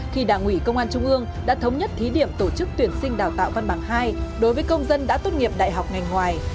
khi đảng ủy công an trung ương đã thống nhất thí điểm tổ chức tuyển sinh đào tạo văn bằng hai đối với công dân đã tốt nghiệp đại học ngành ngoài